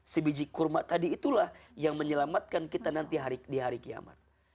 sebiji kurma tadi itulah yang menyelamatkan kita nanti di hari kiamat